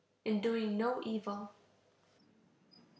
In doing no evil."